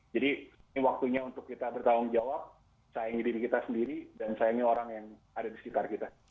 jadi ini waktunya untuk kita bertanggung jawab sayangi diri kita sendiri dan sayangi orang yang ada di sekitar kita